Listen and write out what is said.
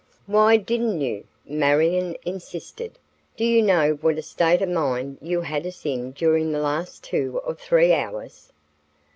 "Why didn't you?" Marion insisted. "Do you know what a state of mind you had us in during the last two or three hours?"